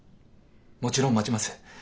もちろん待ちます。